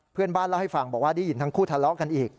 เพื่อนบ้านเล่าให้ฟังบอกว่าได้ยินทั้งคู่ทะเลาะกันอีก